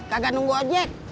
kagak nunggu ojek